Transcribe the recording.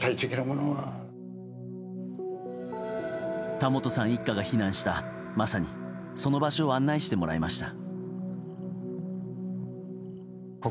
田本さん一家が避難したまさにその場所を案内してもらいました。